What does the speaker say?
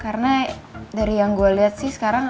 karena dari yang gue liat sih sekarang